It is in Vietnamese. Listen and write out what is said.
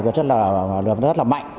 rồi rất là mạnh